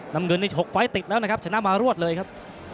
น้ำเงินนี่๖ไฟล์ติดแล้วนะครับชนะมารวดเลยครับ